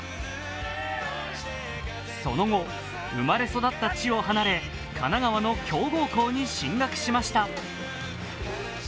その後、生まれ育った地を離れ神奈川の強豪校に進学しました。